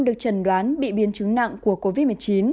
được trần đoán bị biến chứng nặng của covid một mươi chín